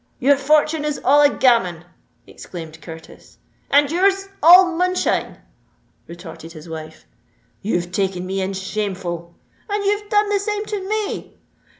"Your fortune is all a gammon!" exclaimed Curtis. "And your's all moonshine!" retorted his wife. "You've taken me in shameful!" "And you've done the same to me!"